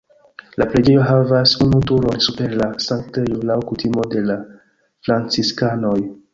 La preĝejo havas unu turon super la sanktejo laŭ kutimo de la franciskanoj.